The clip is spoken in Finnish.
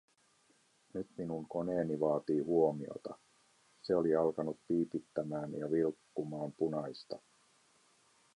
Nyt minun koneeni vaati huomiota, se oli alkanut piipittämään ja vilkkumaan punaista.